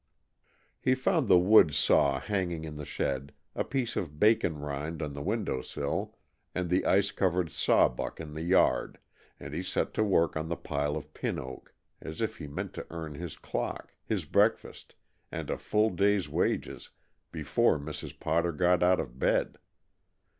He found the wood saw hanging in the shed, a piece of bacon rind on the windowsill, and the ice covered sawbuck in the yard, and he set to work on the pile of pin oak as if he meant to earn his clock, his breakfast and a full day's wages before Mrs. Potter got out of bed.